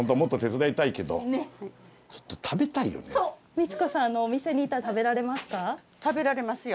ミツ子さんのお店に行ったら食べられますか？